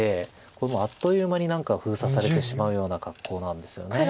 これもうあっという間に封鎖されてしまうような格好なんですよね。